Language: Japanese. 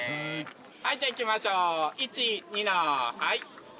はいじゃあいきましょう１２のはい。